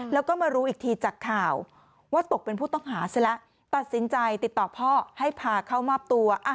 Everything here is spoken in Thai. แล้วก็มารู้อีกทีจากข่าวว่าตกเป็นผู้ต้องหาซะแล้วตัดสินใจติดต่อพ่อให้พาเข้ามอบตัว